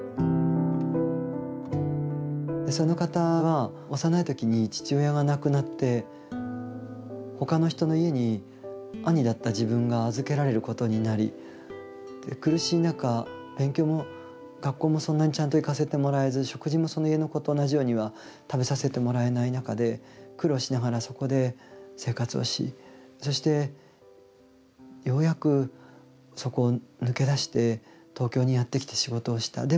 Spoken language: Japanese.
その方が幼い時に父親が亡くなって他の人の家に兄だった自分が預けられることになり苦しい中勉強も学校もそんなにちゃんと行かせてもらえず食事もその家の子と同じようには食べさせてもらえない中で苦労しながらそこで生活をしそしてようやくそこを抜け出して東京にやって来て仕事をした。